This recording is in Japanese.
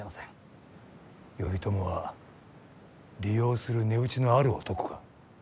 頼朝は利用する値打ちのある男か。